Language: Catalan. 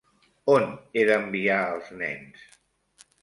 On he d'enviar els nens?